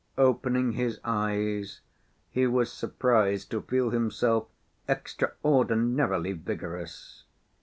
Opening his eyes, he was surprised to feel himself extraordinarily vigorous.